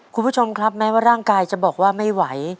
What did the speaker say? คุณผู้ชมครับแม้ว่าร่างกายจะบอกว่าไม่ไหว